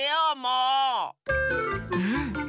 うん。